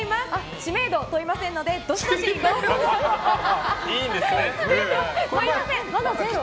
知名度問いませんのでどしどしご応募を！